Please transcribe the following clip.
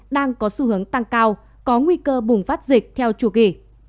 đang có xu hướng tăng cao có nguy cơ bùng phát dịch theo chu kỳ